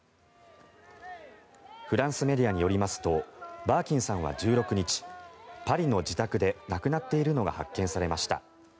フランスメディアによりますとバーキンさんは１６日パリの自宅で亡くなっているのが発見されました。